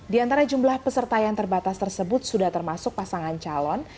di antara jumlah peserta yang terbatas tersebut sudah termasuk pasangan calon